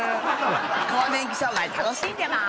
更年期障害楽しんでまーす。